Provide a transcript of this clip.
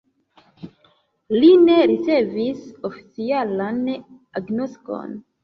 Li ne ricevis oficialan agnoskon.